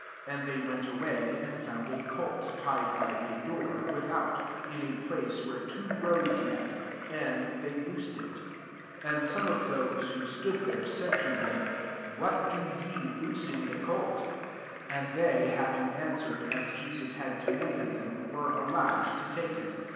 4 And they went ava] and found a colt, tied by a dfiiii without, in a place where t« roads met ; and they loosed, i 5 And some of those wk stood there, said to H/gim '* W hat do yei loosing the c«^ MARK XL 93 6 And they, having answered as Jestts had commanded them, were allowed to take it.